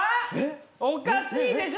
おかしいでしょ？